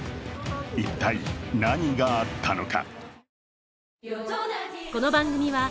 一体何があったのか。